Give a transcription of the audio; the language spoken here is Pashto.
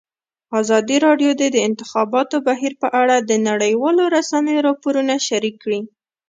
ازادي راډیو د د انتخاباتو بهیر په اړه د نړیوالو رسنیو راپورونه شریک کړي.